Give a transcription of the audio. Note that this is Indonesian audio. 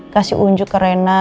kasih unjuk ke reyna